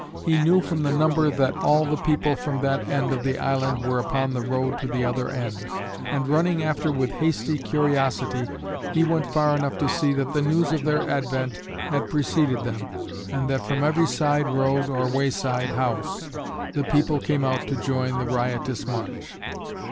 He knew from the number that all the people from that end of the island were upon the road to the other end, and running after with hasty curiosity, he went far enough to see that the news of their advent had preceded them, and that from every side road or wayside house the people came out to join in the riotous march.